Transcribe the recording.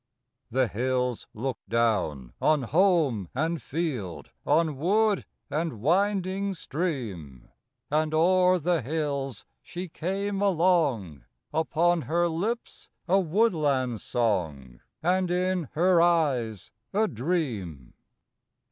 The hills look down on home and field, On wood and winding stream; And o'er the hills she came along, Upon her lips a woodland song, And in her eyes, a dream.